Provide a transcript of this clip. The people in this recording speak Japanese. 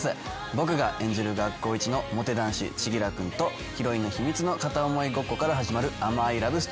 僕が演じる学校一のモテ男子千輝君とヒロインの秘密の片想いごっこから始まる甘いラブストーリーです。